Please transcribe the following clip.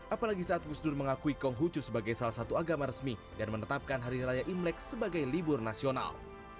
apalagi saat gus dur mengakui konghucu sebagai salah satu agama resmi dan menetapkan hari raya imlek sebagai libur nasional